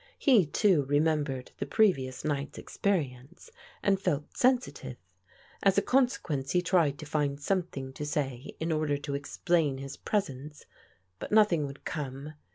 He, too, remembered the previous night's experience, and felt sensitive. As a consequence he tried to find something to say in order to explain his presence, but nothing would come.